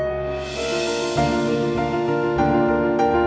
sampai jumpa lagi